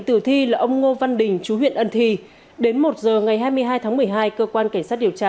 tử thi là ông ngô văn đình chú huyện ân thi đến một giờ ngày hai mươi hai tháng một mươi hai cơ quan cảnh sát điều tra